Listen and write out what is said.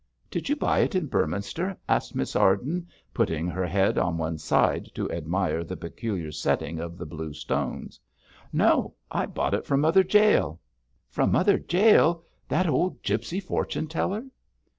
'Did you buy it in Beorminster?' asked Miss Arden, putting her head on one side to admire the peculiar setting of the blue stones. 'No; I bought it from Mother Jael.' 'From Mother Jael! that old gipsy fortune teller?'